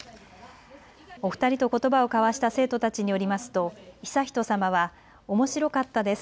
お二人とことばを交わした生徒たちによりますと悠仁さまは、おもしろかったです。